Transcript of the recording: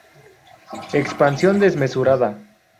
Expansión desmesurada.